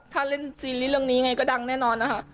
ถ้าเล่นซีรีส์เรื่องนี้ไงก็ดังแน่นอนนะคะ